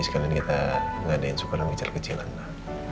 sekalian kita ngadain suka ngecil kecilan lah